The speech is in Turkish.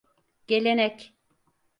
Gelenek…